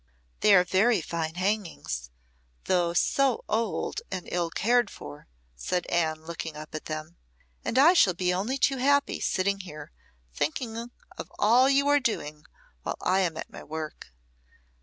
"They are very fine hangings, though so old and ill cared for," said Anne, looking up at them; "and I shall be only too happy sitting here thinking of all you are doing while I am at my work."